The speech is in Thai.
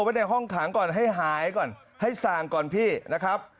ไว้ในห้องขังก่อนให้หายก่อนให้ส่างก่อนพี่นะครับ